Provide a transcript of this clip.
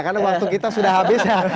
karena waktu kita sudah habis ya